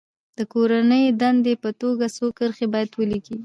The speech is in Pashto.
د کورنۍ دندې په توګه څو کرښې باید ولیکي.